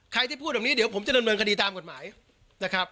ที่พูดแบบนี้เดี๋ยวผมจะดำเนินคดีตามกฎหมายนะครับ